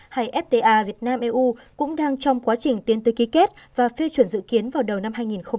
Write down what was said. hay fta việt nam eu cũng đang trong quá trình tiến tới ký kết và phê chuẩn dự kiến vào đầu năm hai nghìn hai mươi